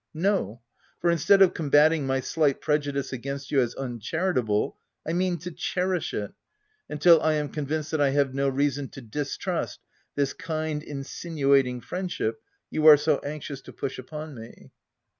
No ; for, instead of combating my slight prejudice against you as uncharitable, I mean to cherish it, until I am convinced that I have no reason to distrust this kind, insinuating friendship you are so anxious to push upon me.